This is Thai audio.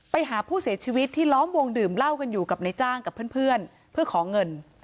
ไปหาผู้เสียชีวิตที่ล้อมวงดื่มเหล้ากันอยู่กับในจ้างกับเพื่อนเพื่อขอเงิน